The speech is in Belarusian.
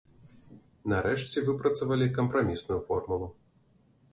Нарэшце выпрацавалі кампрамісную формулу.